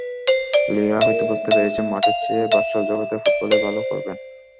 লিরা হয়তো বুঝতে পেরেছেন, মাঠের চেয়ে ভার্চুয়াল জগতের ফুটবলেই ভালো করবেন।